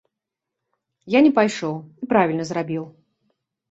Я не пайшоў, і правільна зрабіў.